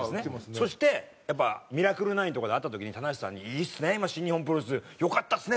そしてやっぱ『ミラクル９』とかで会った時に棚橋さんに「いいですね今新日本プロレス」「よかったですね